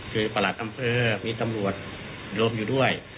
คือประหลัดอำเภอมีตำรวจรวมอยู่ด้วย